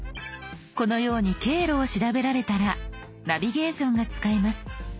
このように経路を調べられたらナビゲーションが使えます。